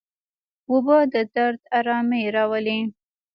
اوبه د درد آرامي راولي.